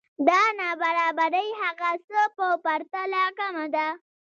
دا نابرابری هغه څه په پرتله کمه ده